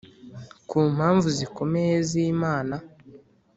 ku mpamvu zikomeye z'imana